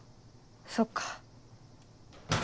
そっか。